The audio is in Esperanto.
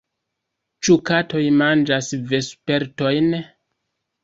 Ĉu katoj manĝas vespertojn?